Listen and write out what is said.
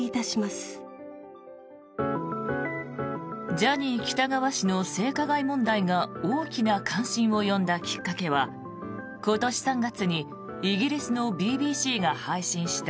ジャニー喜多川氏の性加害問題が大きな関心を呼んだきっかけは今年３月にイギリスのＢＢＣが配信した